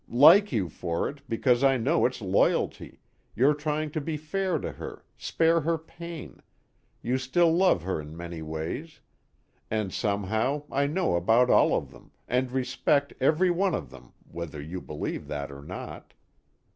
Like you for it because I know it's loyalty, you're trying to be fair to her, spare her pain, you still love her in many ways and somehow I know about all of them, and respect every one of them whether you believe that or not.